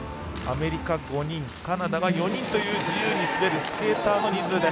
アメリカ５人カナダは４人という自由に滑るスケーターの人数。